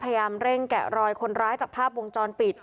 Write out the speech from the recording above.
พยายามเร่งแกะรอยคนร้ายจากภาพวงจรปิด